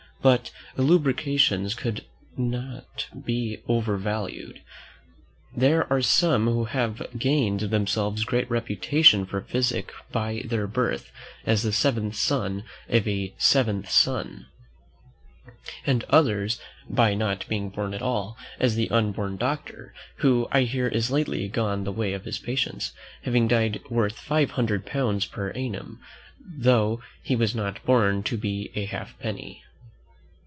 But elucubrations cannot be over valued. There are some who have gained themselves great reputation for physic by their birth, as the "seventh son of a seventh son," and others by not being born at all, as the unborn doctor, who I hear is lately gone the way of his patients, having died worth five hundred pounds per annum, though he was not born to a halfpenny.